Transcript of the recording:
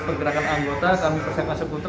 pergerakan anggota kami pergunakan skuter